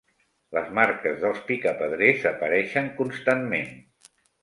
Les marques dels picapedrers apareixen constantment.